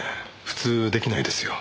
普通出来ないですよ。